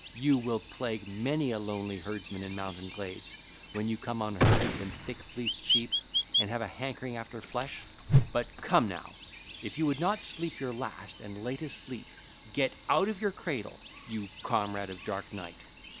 You will plague many a lonely herdsman in mountain glades, when you come on herds and thick fleeced sheep, and have a hankering after flesh. But come now, if you would not sleep your last and latest sleep, get out of your cradle, you comrade of dark night.